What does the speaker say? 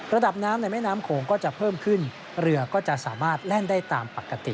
ระดับน้ำในแม่น้ำโขงก็จะเพิ่มขึ้นเรือก็จะสามารถแล่นได้ตามปกติ